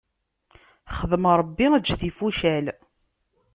Xdem Ṛebbi, eǧǧ tifucal.